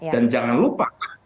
dan jangan lupa